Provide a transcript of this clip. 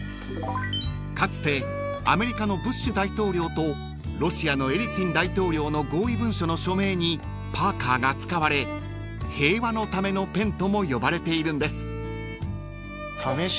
［かつてアメリカのブッシュ大統領とロシアのエリツィン大統領の合意文書の署名にパーカーが使われ平和のためのペンとも呼ばれているんです］